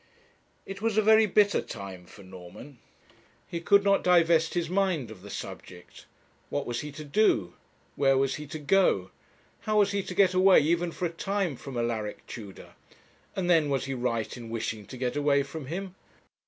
It was a very bitter time for Norman. He could not divest his mind of the subject. What was he to do? Where was he to go? How was he to get away, even for a time, from Alaric Tudor? And then, was he right in wishing to get away from him?